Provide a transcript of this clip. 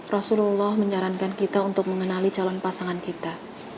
rasulullah menyarankan kita untuk mengenali calon pasangan kita